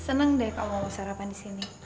senang deh kalau mau sarapan di sini